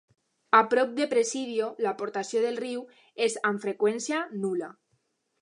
A prop de Presidio, l'aportació del riu és amb freqüència nul·la.